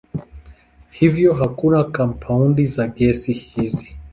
Hivyo hakuna kampaundi za gesi hizi.